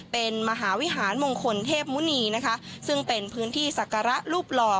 เป็นมหาวิหารมงคลเทพมุณีนะคะซึ่งเป็นพื้นที่ศักระรูปหล่อ